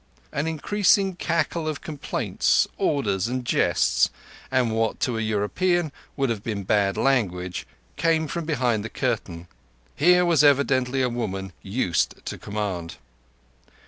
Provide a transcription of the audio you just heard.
An increasing cackle of complaints, orders, and jests, and what to a European would have been bad language, came from behind the curtains. Here was evidently a woman used to command.